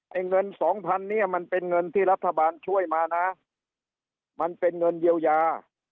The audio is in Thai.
เงินสองพันเนี่ยมันเป็นเงินที่รัฐบาลช่วยมานะมันเป็นเงินเยียวยา